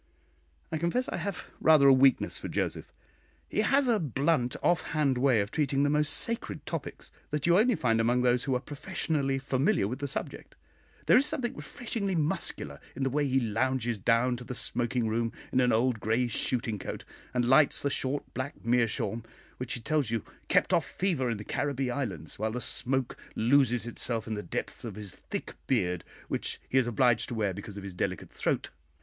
I confess I have rather a weakness for Joseph. He has a blunt off hand way of treating the most sacred topics, that you only find among those who are professionally familiar with the subject. There is something refreshingly muscular in the way he lounges down to the smoking room in an old grey shooting coat, and lights the short black meerschaum, which he tells you kept off fever in the Caribbee Islands, while the smoke loses itself in the depths of his thick beard, which he is obliged to wear because of his delicate throat.